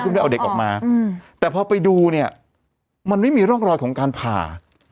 ได้เอาเด็กออกมาแต่พอไปดูเนี่ยมันไม่มีร่องรอยของการผ่า